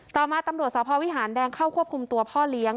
ต่อมาตำรวจสพวิหารแดงเข้าควบคุมตัวพ่อเลี้ยง